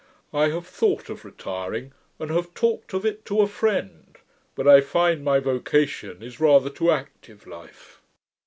I have thought of retiring, and have talked of it to a friend; but I find my vocation is rather to active life.'